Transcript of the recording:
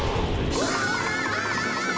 ・うわ！